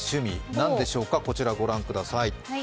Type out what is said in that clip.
何でしょうか、こちらご覧ください。